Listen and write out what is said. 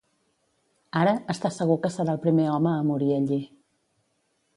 Ara, està segur que serà el primer home a morir allí.